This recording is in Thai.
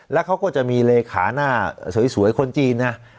แล้วเขาก็จะมีเลขาหน้าสวยคนจีนนะ